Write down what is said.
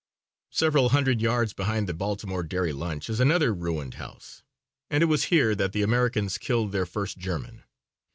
Several hundred yards behind the Baltimore Dairy Lunch is another ruined house and it was here that the Americans killed their first German.